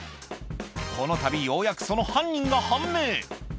このたびようやくその犯人が判明